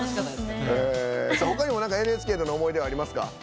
他にも何かＮＨＫとの思い出はありますか？